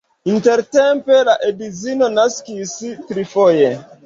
Intertempe la edzino naskis trifoje.